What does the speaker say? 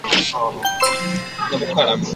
舒磷人。